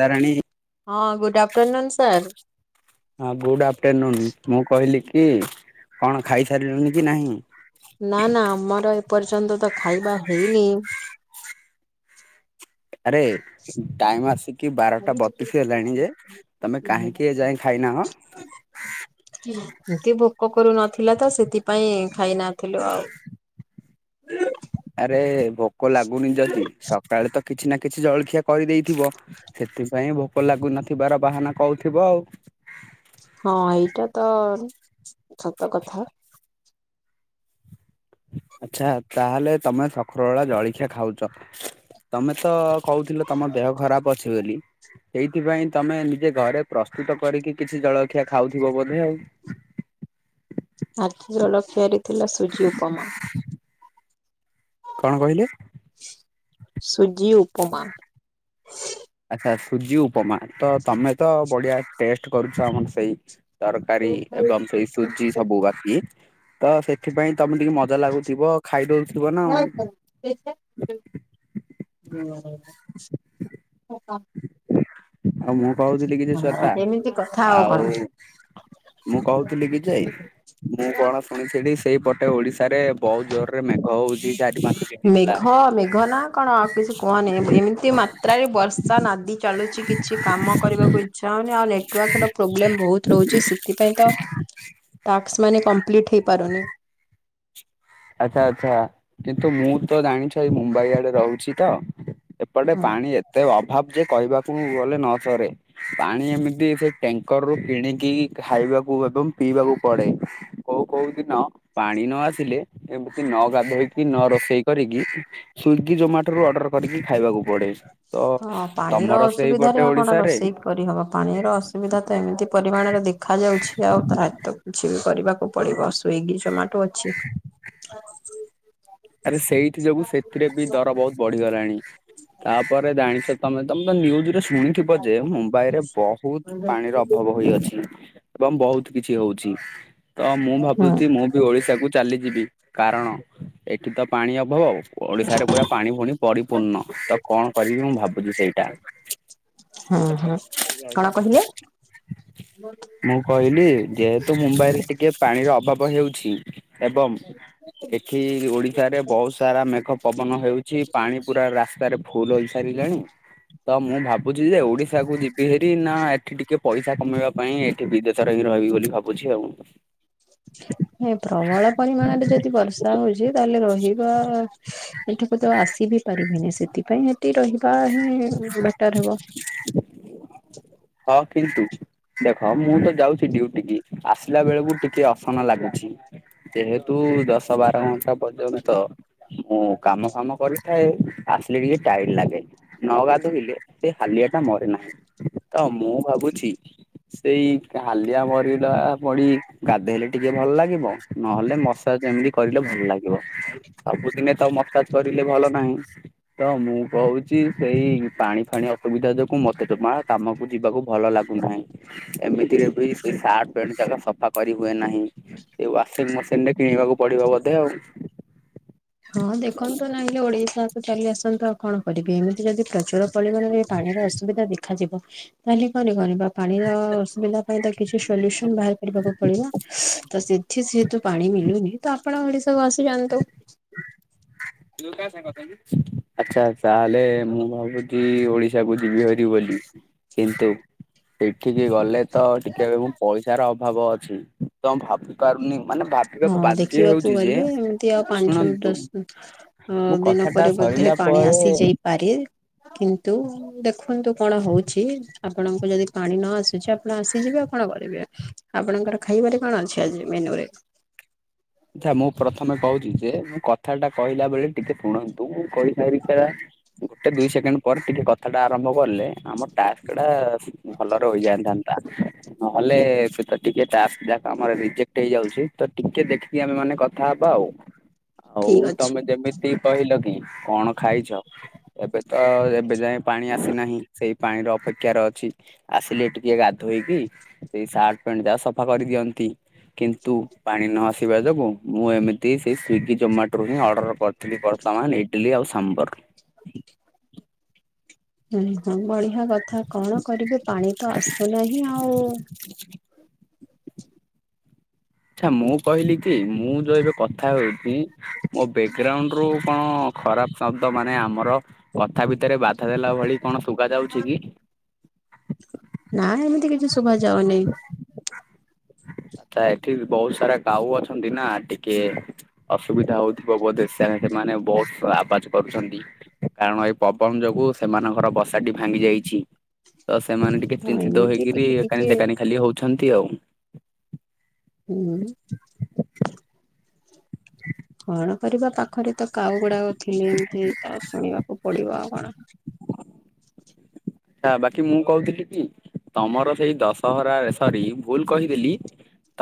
ତାରିଣୀ ହଁ good afternoon sir. ହଁ good afternoon ମୁଁ କହିଲି କି କଣ ଖାଇସାରିଲୁଣିି କି ନାହିଁ? ନା ନା ଆମର ଏପର୍ଯ୍ୟନ୍ତ ତ ଖାଇବା ହେଇନି। ଆରେ ଟାଇମ ଆସିକି ବାରଟା ବତିଶ ହେଲାଣି ଯେ। ତୁମେ କାହିଁକି ଏଯାଏ ଖାଇନାହ? ମୋତେ ଭୋକ କରୁନ ଥିଲା ତ ସେଥିପାଇଁ ଖାଇ ନଥିଲୁ ଆଉ। ଆରେ ଭୋକ ଲାଗୁନି ଯଦି ସକାଳେ ତ କିଛି ନା କିଛି ଜଳଖିଆ କରିଦେଇଥିବ? ସେଥିପାଇଁ ଭୋକ ଲାଗୁନଥିବାର ବାହାନା କହୁଥିବ ଆଉ। ହଁ ଏଇଟା ତ ସତ କଥା। ଆଚ୍ଛା ତାହେଲେ ତମେ ସକର ବେଳା ଜଳଖିଆ ଖାଉଛ। ତମେ ତ କହୁଥିଲ ତମ ଦେହ ଖରାପ ଅଛି ବୋଲି। ସେଇଥିପାଇଁ ତମେ ନିଜେ ଘରେ ପ୍ରସ୍ତୁତ କରିକି କିଛି ଜଳଖିଆ ଖାଉଥିବ ବୋଧେ ଆଉ। ଆଜି ଜଳଖିଆରେ ଥିଲା ସୁଜି, ଉପମା। କଣ କହିଲେ? ସୁଜି, ଉପମା। ଆଚ୍ଛା ସୁଜି, ଉପମା ତ ତମେ ତ ବଢିଆ ଟେଷ୍ଟ କରୁଛ ଆମର ସେଇ। ତରକାରୀ ଏବଂ ସେଇ ସୁଜି ସବୁ ବାକି ତ ସେଥିପାଇଁ ତମେ ଟିକେ ମ ମଜା ଲାଗୁଥିବ ଖାଇଦଉଥିବ ନା ଆଉ। [inaudible] ଆଉ ମୁଁ କହୁଥିଲି କି ଯେ ହଁ ଶ୍ୱେତା ଏମିତି କଥା କଣ। ଆଉ। ମୁଁ କହୁଥିଲି କି ଯେ। ମୁଁ କଣ ଶୁଣିଛି ସେଇଠି ସେଇପଟେ ଓଡିଶାରେ ବହୁତ ଜୋରରେ ମେଘ ହଉଛି ଚାରି, ପାଞ୍ଚ ଦିନ ହେଲା ମେଘ ମେଘ ନା କଣ ଆଉ କିଛି କୁହନି ଏ-ଏମିତି ମା ତ୍ରାରେ ବର୍ଷା ନାଦି ଚାଲୁଛି କିଛି କାମ କରିବାକୁ ଇଚ୍ଛା ହଉନି ଆଉ ନେଟୱାର୍କର ପ୍ରୋବ୍ଲେମ ବହୁତ ରହୁଛି ଶୀ ସେଥିପାଇଁ ତ ଟାକ୍ସ ମାନେ କମ୍ପ୍ଲିଟ ହେଇପାରୁନି। ଆଚ୍ଛା ଆଚ୍ଛା କିନ୍ତୁ ମୁଁ ତ ଜାଣିଛ ଏଇ ମୁମ୍ବାଇ ଆଡେ ରହୁଛି ତ। ଏପଟେ ହଁ ପାଣି ଏତେ ଅଭାବ ଯେ କହିବାକୁ ଗଲେ ନସରେ। ପାଣି ଏମିତି ସେ ଟ୍ୟାଙ୍କର ରୁ କିଣିକି ଖାଇବାକୁ ଏବଂ ପିଇବାକୁ ପଡେ। କୋଉ କୋଉ ଦିନ ପାଣି ନ ଆସିଲେ। ଏମିତି ନ ଗାଧେଇକି ନ ରୋଷେଇ କରିକି। ସ୍ଵିଗି, ଜୋମାଟୋରୁୁ ଅର୍ଡର କରିକି ଖାଇବାକୁ ପଡ଼େ। ହଁ ପାଣିର ଅସୁବିଧାରେ ଆଉ କଣ ଓଡିଶାରେ ରୋଷେଇ କରିହବ ପାଣିର ଅସୁବିଧା ତ ଏମିତି ପରିମାଣରେ ଦେ ଖାଯାଉଛି ଆଉ ତା ଏ ତ କିଛି ବି କରିବାକୁ ପଡିବ ସ୍ବିଗି, ଜୋମାଟୋ ଅଛି। ଆରେ ସେଇଥି ଯୋଗୁ ସେଥିରେ ବି ଦର ବହୁ ବଢିଗଲାଣି ତାପରେ ଜାଣିଛ ତମେ ତମେ ତ ନିଉଜରେ ଶୁଣିଥିବ ଯେ ମୁମ୍ବାଇ ରେ ବହୁତ ପାଣିର ଅଭାବ ହୋଇଅଛି। ଏବଂ ବହୁତ କିଛି ହଉଛି ତ ମୁଁ ହୁଁ ଭାବୁଛି ମୁଁ ବି ଓଡିଶାକୁ। ଚାଲିଯିବି କାରଣ। ଏଠି ତ ପାଣି ଅଭାବ। ଓଡିଶାରେ ପୁରା ପାଣି ଫୁଣି ପରିପୂର୍ଣ୍ଣ ତ କଣ କରିବି ମୁଁ ଭାବୁଛି ସେଇଟା। ହୁଁ ହୁଁ। କଣ କହିଲେ? [inaudible] ମୁଁ କହିଲି ଯେହେତୁ ମୁମ୍ବାଇ ରେ ଟିକେ ପାଣିର ଅଭାବ ହେଉଛି। ଏବଂ ଏଠି। ଓଡିଶାରେ ବହୁତ ସାରା ମେଘ, ପବନ ହେଉଛି ପାଣି ପୁରା ରାସ୍ତାରେ ଫୁଲ ହେଇସାରିଲାଣି। ତ ମୁଁ ଭାବୁଛି ଯେ ଓଡିଶା କୁ ଯିବି ହେ ଏଠି ନା ଏଠି ଟିକେ ପଇସା କମେଇବା ପାଇଁ ଏଠି ବିଦେଶରେ ହିଁ ରହିବି ବୋଲି ଭାବୁଛି ଆଉ। ଏ ପ୍ରବଳ ପରିମାଣରେ ଯଦି ବର୍ଷା ହଉଛି ତାହେଲେ ରହି ବା ଏଠିକୁ ତ ଆସି ବିି ପାରିବିନି ସେଥିପାଇଁ ସେଠି ରହିବା ହିଁ। ଉଚି ବେଟର ହେବ। ହଁ କିନ୍ତୁ। ଦେଖ ମୁଁ ତ ଯାଉଛି ଡିଉଟିକି ଆସିଲା ବେଳକୁ ଟିକେ ଅସନା ଲାଗୁଛି। ଯେହେତୁ ଦଶ ବାର ଘଣ୍ଟା ପର୍ଯ୍ୟନ୍ତ। ହଁ କାମ ଫାମ କରିଥାଏ ଆସିଲେ ଟିକେ ଟାଇଡ୍ ଲାଗେ। ନ ଗାଧଇଲେ ସେ ହାଲିଆ ଟା ମରେ ନାହିଁ ତ ମୁଁ ଭାବୁଚି ସେଇ ହାଲିଆ ମରିଲା ପଡି ଗାଧେଇଲେ ଟିକେ ଭଲ୍ ଲାଗିବ। ନହେଲେ ମସାଜ୍ ଏମିତି କରିଲେ ଭଲ ଲାଗିବ। ସବୁଦିନେ ତ ମସାଜ୍ କରିଲେ ଭଲ ନାହିଁ ତ ମୁଁ କହୁଚି ସେଇ ପାଣି ଫାଣି ଅସୁବିଧା ଯୋଗୁ ମତେ ଜମା କାମକୁ ଯିବାକୁ ଭଲ ଲାଗୁନାହିଁ। ଏମିତିରେ ବି ସେ ସାର୍ଟ ପ୍ୟାଣ୍ଟ ଯାକ ସଫା କରି ହୁଏ ନାହିଁ। ସେଇ ୱାସିଂ ମେସିନ୍ ଟେ କିଣିବାକୁ ପଡିବ ବୋଧେ ଆଉ। ହଁ ଦେଖନ୍ତୁ ନହଲେ ଓଡିଶାକୁ ଚାଲିଆସନ୍ତୁ ଆଉ କଣ କରିବେ ଏମିତି ଯଦି ପ୍ରଚୁର ପରିମାଣରେ ପାଣିର ଅସୁବିଧା ଦେଖାଯିବ ତାହେଲେ [unintelligible] ପାଣିର ଅସୁବିଧା ପାଇଁ ତ କିଛି ସଲ୍ୟୁସନ୍ ବାହାର କରିବାକୁ ପଡିବ ତ ସେଠି ଯେହେତୁ ପାଣି ମିଳୁନି ତ ଆପଣ ଓଡିଶାକୁ ଆସିଯାଆନ୍ତୁ। [unintelligible] ଆଚ୍ଛା ତାହେଲେ ମୁଁ ଭାବୁଚି ଓଡିଶାକୁ ଯିବି ହାରି ବୋଲି। କିନ୍ତୁ ସେଠିକି ଗଲେ ତ ଟିକେ ଏବେ ମୁଁ ପଇସାର ଅଭାବ ଅଛି ତ ମୁଁ ଭାବୁ ହଁ ଦେଖିବାକୁ ଯେ ଗଲି ଏମିତି ଆଉ ପାଞ୍ଚ ଶୁଣନ୍ତୁ ଦଶ୍ ଅ- ମୋ କଥାଟା ଦିନପରେ ବୋଧେ ସରିଲା ପାଣି ପରେ ଆସିଯାଇ ପାରେ କିନ୍ତୁ ଦେଖନ୍ତୁ କଣ ହଉଚି। ଆପଣଙ୍କୁ ଯଦି ପାଣି ନ ଆସୁଚି ଆପଣ ଆସିଯିବେ ଆଉ କଣ କରିବେ। ଆପଣଙ୍କର ଖାଇବାରେ କଣ ଅଛି ଆଜି ମେନୁରେ? ଯାହା ମୁଁ ପ୍ରଥମେ କହୁଚି ଯେ ମୁଁ କଥାଟା କହିଲା ବେଳେ ଟିକେ ଶୁଣ ନ୍ତୁ କହି ସାରିକା ଗୋଟେ ଦୁଇ ସେକେଣ୍ଡ୍ ପରେ ଟିକେ କଥାଟା ଆରମ୍ଭ କଲେ ଆମ ଟାସ୍କଟା ଭଲରେ ହୋଇଯାଇଥାନ୍ତା। ନହେଲେ ସେ ତ ଟିକେ ଟାସ୍କ୍ ଯାକ ଆମର ରିଜେକ୍ଟ୍ ହେଇଯାଉଚି ତ ଟିକେ ଦେଖ୍ ଆମେମାନେ କଥା ହବା ଆଉ- ଆଉ ଠିକ ଅଛି। ତମେ ଯେମି ତି କହିଲ କି କଣ ଖାଇଚ ଏବେ ତ ଏବେ ଯାଏ ପାଣି ଆସିନାହିଁ ସେଇ ପାଣିର ଅପେକ୍ଷାରେ ଅଛି ଆସିଲେ ଟିକେ ଗାଧୋଇକି ଏଇ ସାର୍ଟ ପ୍ୟାଣ୍ଟ୍ ଯାକ ସଫା କରିଦିଅନ୍ତି କିନ୍ତୁ ପାଣି ନ ଆସ୍ ଥିବା ଯୋଗୁଁ ମୁଁ ଏମିତି ସେ ସ୍ଵିଗି ଜୋମାଟୋରୁ ହିଁ ଅର୍ଡର କରି ଥିଲି ବର୍ତ୍ତମାନ ଇଡିଲି ଆଉ ସାମ୍ବର୍। ଓ -ହଁ ବଢିଆ କଥା କଣ କରିବେ ପାଣି ତ ଆସୁ ନାହିଁ ଆଉ ଆଚ୍ଛା ମୁଁ କହିଲି କି ମୁଁ ଯଉ ଏବେ କଥା ହଉଚି ମୋ ବେଗଗ୍ରାଉଣ୍ଡରୁ କଣ ଖରାପ୍ ଶବ୍ଦ ମାନେ ଆମର କଥା ଭିତରେ ବାଧା ଦେଲା ଭଳି କଣ ଶୁବା ଯାଉଚି କି? ନା ଏମିତି କିଛି ଶୁବା ଯାଉନି। ପ୍ରାୟେ ଏଠି ବହୁତ୍ ସାରା କାଉ ଅଛନ୍ତି ନା ଟିକେ ଅସୁବିଧା ହଉଥିବ ବୋଧେ ସେ-ସେମାନେ ବହୁତ୍ ଆବାଜ୍ କରୁଚନ୍ତି। କାରଣ ଏଇ ପବନ ଯୋଗୁ ସେମାନଙ୍କର ବସାଟି ଭାଙ୍ଗି ଯାଇଚି। ତ ସେମାନେ ଟିକେ ହଁ ଚିନ୍ତିତ ଏମିତି ହେଇକିରି ଟିକେ ଟିକେ ଏକାନି ସେକାନି ଖାଲି ହଉଛନ୍ତି ଆଉ। ହୁଁ। କଣ କରିବା ପାଖରେ ତ କାଉଗୁଡାକ ଥିଲେ ଏମିତି ଆଉ ଶୁଣିବାକୁ ପଡିବ ଆଉ କଣ। ହେ ବାକି ମୁଁ କହୁଥିଲି କି ତମର ସେଇ ଦଶହରାରେ ସରି ଭୁଲ କହିଦେଲି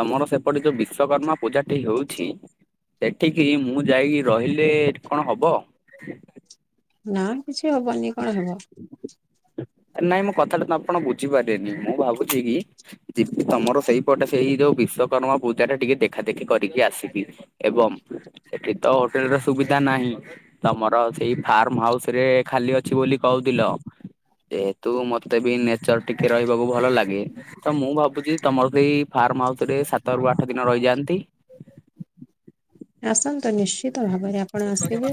ତମର ସେପଟେ ଯଉ ବିଶ୍ଵକର୍ମା ପୂଜାଟି ହେଉଛି ଏଠିକି ମୁଁ ଯାଇକି ରହିଲେ କଣ ହବ? ନା କିଛି ହବନି କଣ ହବ। ନାଇଁ ମୋ କଥାଟା ତ ଆପଣ ବୁଝିପାରିଲେନି ମୁଁ ଭାବୁଛି କି ଯିବି ତମର ସେଇପଟେ ସେଇ ଯୋଉ ବିଶ୍ଵକର୍ମା ପୂଜାଟା ଟିକେ ଦେଖା ଦେଖି କରିକି ଆସିବି। ଏବଂ ସେଠି ତ ହୋଟେଲ ର ସୁବିଧା ନାହିଁ ତମର ସେଇ ଫାର୍ମହାଉସରେ ଖାଲି ଅଛି ବୋଲି କହୁଥିଲ ଯେହେତୁ ମତେ ବି ନେଚର ଟିକେ ରହିବାକୁ ଭଲ ଲାଗେ ତ ମୁଁ ଭାବୁଛି ତମର ସେଇ ଫାର୍ମ ହାଉସରେ ସାତ ରୁ ଆଠ ଦିନ ରହିଯାଆନ୍ତି। ଆସନ୍ତୁ ନିଶ୍ଚିତ ଭାବରେ ଆପଣ ଆସିବେ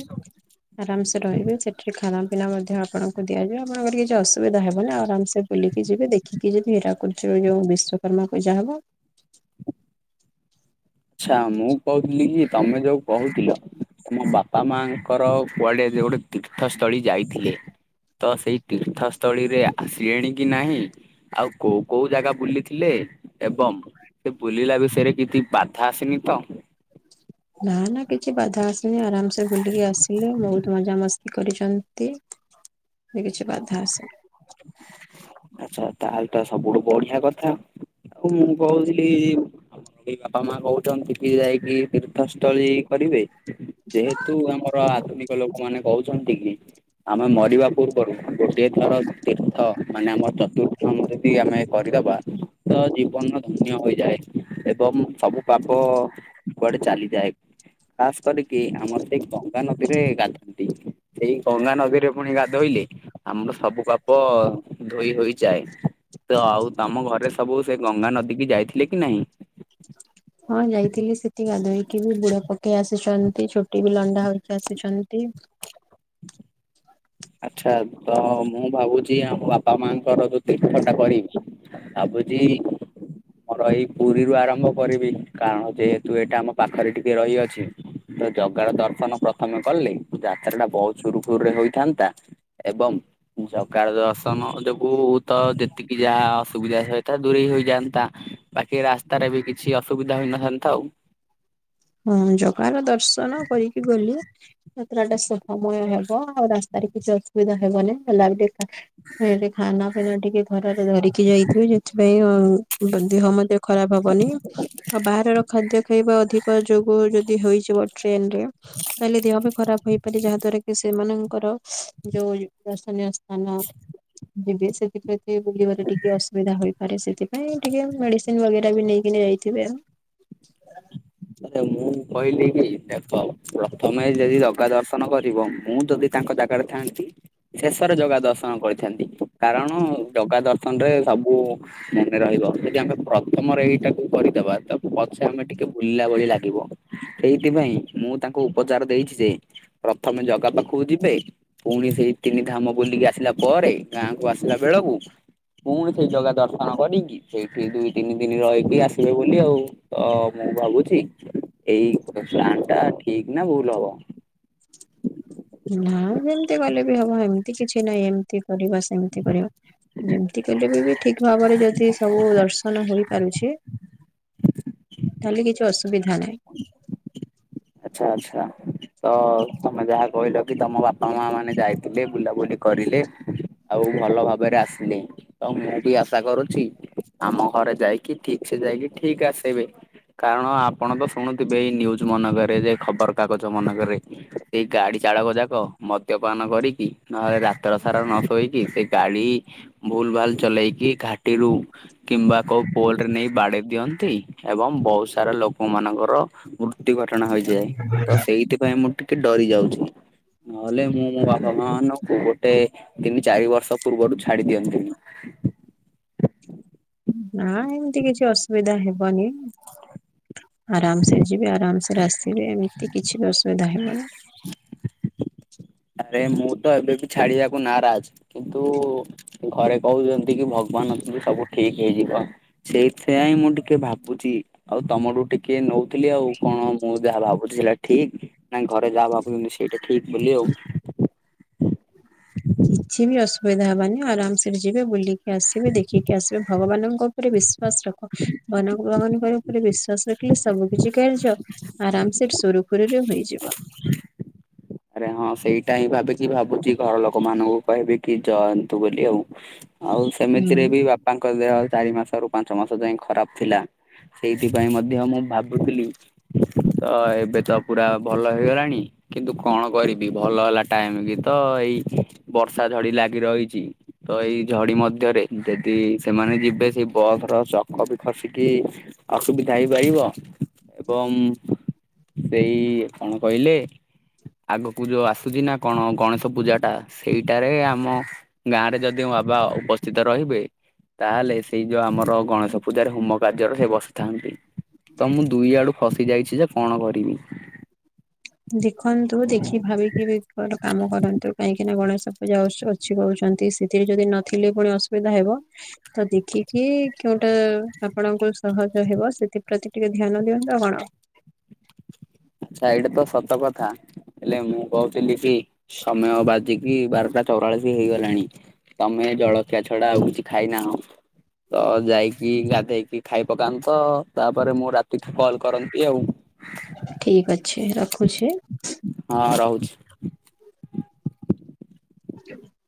ଆରାମସେ ରହିବେ ସେଠି ଖାନା ପିନା ମଧ୍ୟ ଆପଣଙ୍କୁ ଦିଆଯିବ ଆପଣଙ୍କର କିଛି ଅସୁବିଧା ହେବନି ଆରାମସେ ବୁଲିକି ଯିବେ ଦେଖିକି ଯବେ ହୀରାକୁଦରେ ଯୋଉ ବିଶ୍ଵକର୍ମା ପୂଜା ହବ। ଆଚ୍ଛା ମୁଁ କହୁଥିଲି କି ତମେ ଯୋଉ କହୁଥିଲ ତମ ବା ପାମାଙ୍କର କୁଆଡେ ଯଉ ଗୋଟେ ତୀର୍ଥସ୍ଥଳୀ ଯାଇଥିଲେ ତ ସେଇ ତୀର୍ଥସ୍ଥଳୀରେ ଆସିଲେଣି କି ନାହିଁ? ଆଉ କୋଉ କୋଉ ଜାଗା ବୁଲିଥିଲେ? ଏବଂ ସେ ବୁଲିଲା ବିଷୟରେ କିଛି ବାଧା ଆସିନି ତ? ନା ନା କିଛି ବାଧା ଆସନି ଆରାମସେ ବୁଲିକି ଆସିଲେ ମୁଁ ମଜାମସ୍ତି କରିଚନ୍ତି କିଛି ବାଧା ଆସିନି। ଆଛା ତାହେଲେ ତ ସବୁଠୁ ବଢିଆ କଥା ଆଉ ମୁଁ କହୁଥିଲି ଆମର ବାପା ମା କହୁଛନ୍ତି କି ଯାଇକି ତୀର୍ଥସ୍ଥଳୀ କରିବେ ଯେହେତୁ ଆମର ଆଧୁନିକ ଲୋକ ମାନେ କହୁଛନ୍ତି କି ଆମେ ମରିବା ପୂର୍ବରୁ ଗୋଟିଏ ଥର ତୀର୍ଥ ମାନେ ଆମ ଚତୁର୍ଥମ ଯଦି ଆମେ କରିଦବା ତ ଜୀବନ ଧନ୍ୟ ହୋଇଯାଏ ଏବଂ ସବୁ ପାପ ଅ କୁଆଡେ ଚାଲିଯାଏ ଖାସ କରିକି ଆମର ସେଇ ଗଙ୍ଗା ନଦୀରେ ଗାଧନ୍ତି। ସେଇ ଗଙ୍ଗା ନଦୀରେ ପୁଣି ଗାଧୋଇଲେ ଆମର ସବୁ ପାପ ଅ ଧୋଇ ହୋଇଯାଏ ତ ଆଉ ତମ ଘରେ ସବୁ ସେ ଗଙ୍ଗା ନଦୀ କି ଯାଇଥିଲେ କି ନାହିଁ? ହଁ ଯାଇଥିଲି ସେଠି ଗାଧୋଇକି ବି ବୁଡ ପକେଇ ଆସିଚନ୍ତି ଛୋଟି ବି ଲଣ୍ଡା ହଉକି ଆସିଚନ୍ତି। ଆଚ୍ଛା ତ ମୁଁ ଭାବୁଛି ଆମ ବାପା ମାଙ୍କର ଯୋଉ ତୀର୍ଥ ଟା କରିବି ଭାବୁଚି ଇ ମୋର ଏଇ ପୁରୀରୁ ଆରମ୍ଭ କରିବି କାରଣ ଯେହେତୁ ଏଇଟା ଆମ ପାଖରେ ଟିକେ ରହିଅଛି ତ ଜଗାର ଦର୍ଶନ ପ୍ରଥମେ କଲେ ଯାତ୍ରା ଟା ବହୁତ ସୁରୁଖୁରୁରେ ହେଇଥାନ୍ତ ତା ଏବଂ [unintelligible] ଜଗା ଦର୍ଶନ ଯୋଗୁ ତ ଯେତିକି ଯାହା ଅସୁବିଧା ସିଏ ତ ଦୂରେଇ ହେଇଯାଆନ୍ତା ବାକି ରାସ୍ତାରେ ବି କିଛି ଅସୁବିଧା ହୋଇନଥାନ୍ତା ଆଉ। ହଁ ଜଗାର ଦର୍ଶନ କରିକି ଗଲେ ଯାତ୍ରା ଟା ଶୁଭମୟ ହେବ ଆଉ ରାସ୍ତାରେ କିଛି ଅସୁବିଧା ହେବନି ହେଲା ବି [unintelligible] ମେବି ଖାନା ପିନା ଟିକେ ଘରର ଧରିକି ଯାଇଥିବେ ସେଥିପାଇଁ ଦେହ ମଧ୍ୟ ଖରାପ ହବନି। ଆଉ ବାହାରର ଖାଦ୍ୟ ଖାଇବା ଅଧିକ ଯୋଗୁ ଯଦି ହେଇଯିବ ଟ୍ରେନ ରେ କାଲି ଦେହ ବି ଖରାପ ହେଇପାରି ଯାହା ଦ୍ଵାରା କି ସେମାନଙ୍କର ଯୋଉ ଦର୍ଶନୀୟ ସ୍ଥାନ ଯିବେ ସେଥିପ୍ରତି ବୁଲିବାରେ ଟିକେ ଅସୁବିଧା ହେପାରେ ସେଥିପାଇଁ ଟିକେ ମେଡ଼ି [unintelligible] ବଗେରା ବି ନେଇକି ନେଇ ଯାଇଥିବେ ଆଉ। ଆରେ ମୁଁ କହିଲି କି ଦେଖ ପ୍ରଥମେ ଯଦି ଜଗା ଦର୍ଶନ କରିବ ମୁଁ ଯଦି ତାଙ୍କ ଜାଗାରେ ଥାନ୍ତି ଶେଷରେ ଯୋଗା ଦର୍ଶନ କରିଥାନ୍ତି। କାରଣ ଜଗା ଦର୍ଶନ ରେ ସ ବୁ ମନେ ରହିବ ଯଦି ଆମେ ପ୍ରଥମରେ ଏଇଟାକୁ କରିଦେବା ତ ପଛେ ଆମେ ଟିକେ। ବୁଲିଲା ଭଳି ଲାଗିବ ସେଇଥିପାଇଁ ମୁଁ ତାଙ୍କୁ ପଚାରି ଦେଇଛି ଯେ। ପ୍ରଥମେ ଜଗା ପାଖକୁ ଯିବେ। ପୁଣି ସେଇ ତିନି ଧାମ ବୁଲିକି ଆସିଲା ପରେ ଗାଁକୁ ଆସିଲା ବେଳକୁ। ପୁଣି ସେଇ ଜାଗା ଦର୍ଶନ କରିକି। ସେଇଠି ଦୁଇ ତିନି ଦିନ ରହିକି ଆସିବେ ବୋଲି ଆଉ ତ। ମୁଁ ଭାବୁଛି ଏଇ ଷ୍ଟା ଟା ଠିକ ନା ଭୁଲ ହବ। ନା ଏମତି ଗଲେ ବି ହବ ଏମିତି କିଛି ନହିଁ ଏମିତି କରିବା ସେମିତି କରିବା। ଯେମିତି କଲେ ବି ବି ଠିକ ଭାବରେ ଯଦି ସବୁ ଦର୍ଶନ ହେଇପାରୁଛି। ତାହେଲେ କିଛି ଅସୁବିଧା ନାହିଁ। ଆଚ୍ଛା ଆଚ୍ଛା ତ ତମେ ଯାହା କହିଲ କି ତମ ବାପା ମା ମାନେ ଯାଇ ଥିଲେ ବୁଲାବୁଲି କରିଲେ ଆଉ ଭଲ ଭାବରେ ଆସିଲେ। ତ ମୁଁ ବି ଆଶା କରୁଛି ଆମ ଘରେ ଯାଇକି ଠିକ ସେ ଯାଇକି ଠିକ ଆସବେ। କାରଣ ଆପଣ ତ ଶୁଣୁଥିବେ ଏଇ ନିନ୍ୟୁଜ ମନେଗରେ ଯେ ଖବର କାଗଜ ମନେଗରେ। ସେଇ ଗାଡି ଚାଳକ ଯାକ ମଦ୍ୟପାନ କରିକି ନହେଲେ ରାତର ସାରା ନ ଶୋଇକି ସେ ଗାଡି। ଭୁଲ ଭାଲ ଚଲେଇକି ଘାଟିରୁ। କିମ୍ବା କୋଉ ପୋଲ୍ ରେ ନେଇ ବାଡ଼େଇ ଦିଅନ୍ତି। ଏବଂ ବହୁ ସାରା ଲୋକମାନଙ୍କର। ମୃତ୍ୟୁ ଘଟଣା ହେଇଯାଏ ତୋ ସେଇଥି ପାଇଁ ମୁଁ ଟିକେ ଡରି ଯାଉଛି ନ ହେଲେ ମୁଁ ମୁଁ ବାପା ମା ମାନଙ୍କୁ ଗୋଟେ ତିନି ଚାରି ବର୍ଷ ପୂର୍ବରୁ ଛାଡି ଦିଅନ୍ତିଣି। ନା ଏମିତି କିଛି ଅସୁବିଧା ହେବନି। ଆରାମ ସେ ଯିବେ ଆରମ ସେ ରେ ଆସିବେ ଏମତି କିଛି ବି ଅସୁବିଧା ହେବନି। ଆରେ ମୁଁ ତୋ ଏବେ ବି ଛାଡିବାକୁ ନାରାଜ୍ କିନ୍ତୁ। ଘରେ କହୁଛନ୍ତି କି ଭଗବାନ୍ ଅଛନ୍ତି ସବୁ ଠିକ୍ ହେଇଯିବ। ସେଇଥି ପାଇଁ ମୁଁ ଟିକେ ଭାବୁଛି। ଆଉ ତମଠୁ ଟିକେ ନଉଥିଲି ଆଉ କଣ ମୁଁ ଯାହା ଭାବୁଛି ସେଟା ଠିକ୍। ନାଇଁ ଘରେ ଯାହା ଭାବୁଛନ୍ତି ସେଇଟା ଠିକ୍ ବୋଲି ଆଉ। କିଛି ବି ଅସୁବିଧା ହେବନି ଆରମସେ ରେ ଯିବେ ବୁଲିକି ଆସିବେ ଦେଖକି ଆସିବେ ଭଗବାନଙ୍କ ରେ ବିଶ୍ବାସ ରଖ ଭଗବାନଙ୍କ ବିଶ୍ୱାସ ରହିଲେ ସବୁ କିଛି କାର୍ଯ୍ୟ ଆରାମ ସେ ସୁରୁଖୁରୁ ରେ ହେଇଯିବ। ଆରେ ହିଁ ସେଇଟା ହିଁ ଭାବିକି ଭାବୁଛି ଘର ଲୋକ ମାନଙ୍କୁ କହିବି କି ଯାଆନ୍ତୁ ବୋଲି ଆଉ। ଆଉ ସେମିତି ରେ ହୁଁ। ବି ବାପାଙ୍କ ଦେହ ଚାରି ମାସରୁ ପାଞ୍ଚ ମାସ ଯାଏଁ ଖରାପ ଥିଲା। ସେଇଥି ପାଇଁ ମଧ୍ୟ ମୁଁ ଭାବୁଥିଲି। ତୋ ଏବେ ତୋ ପୁରା ଭଲ ହେଇଗଲାଣି। କିନ୍ତୁ କଣ କରିବି ଭଲ ହେଲା ଟାଇମ ବି ତୋ ଏଇ ବର୍ଷା ଖୋଡ଼ି ଲାଗି ରହିଛି। ତୋ ଏଇ ଝୋଡି ମଧ୍ୟରେ ଯଦି ସେମାନେ ଯିବେ ସେଇ ବସର ଚକ ବି ଖସିକି ଅସୁବିଧା ହେଇପାରିବ ଏବଂ ସେଇ କଣ କହିଲେ? ଆଗକୁ ଯୋଉ ଆସୁଛି ନା କଣ ଗଣେଶ ପୂଜାଟା ସେଇଟା ରେ ଆମ। ଗାଁ ରେ ଯଦି ମୋ ବାବା ଉପସ୍ଥିତ ରହିବେ। ତା ହେଲେ ସେ ଯୋଉ ଆମର ଗଣେଶ ପୂଜାରେ ହୋମ କାର୍ଯ୍ୟ ରେ ସେ ବସିଥାନ୍ତି। ତୋ ମୁଁ ଦୁଇ ଆଡୁ ଫସି ଯାଇଛି ଯେ କଣ କରିବି। ଦେଖନ୍ତୁ ଦେଖି ଭାବିକିରି ବି କାମ କରନ୍ତୁ କାହିଁକି ନା ଗଣେଶ। ପୂଜା ଉତ୍ସବ ଅଛି କହୁଛନ୍ତି ସେଥିରେ ଯଦି ନ ଥିଲେ ପୁଣି ଅସୁବିଧା ହେବ। ତୋ ଦେଖିକି କେଉଁଟା ଆପଣଙ୍କୁ ସହଜ ହେବ ସେଥି ପ୍ରତି ଟିକେ ଧ୍ୟାନ ଦିଅନ୍ତୁ ଆଉ ଆପଣ। ସାଇଟା ତ ସତ କଥା। ହେଲେ ମୁଁ କହୁଥିଲି କି ସମୟ ବାଜିକି ବାରଟା ଚଉରାଳିଶି ହେଇ ଗଲାଣି। ତମେ ଜଳଖିଆ ଛଡ଼ା ଆଉ କିଛି ଖାଇନାହଁ? ତ ଯାଇକି ଗାଧେଇକି ଖାଇ ପକାନ୍ତ ତା ପରେ ମୁଁ ରାତିଠୁ କଲ କରନ୍ତି ଆଉ। ଠିକ୍ ଅଛି ରଖୁଛି। ହଁ ରହୁଛି। [inaudible]